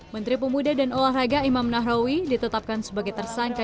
menteri pemuda dan olahraga imam nahrawi ditetapkan sebagai tersangka